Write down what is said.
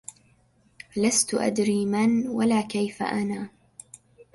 لست أدري من ولا كيف أنا